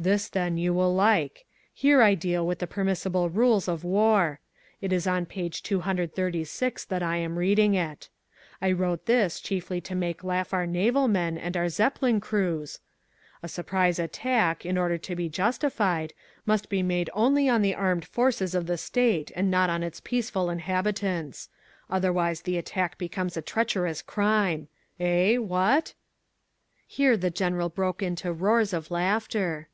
"This, then, you will like, here I deal with the permissible rules of war. It is on page 236 that I am reading it. I wrote this chiefly to make laugh our naval men and our Zeppelin crews, 'A surprise attack, in order to be justified, must be made only on the armed forces of the state and not on its peaceful inhabitants. Otherwise the attack becomes a treacherous crime.' Eh, what?" Here the General broke into roars of laughter.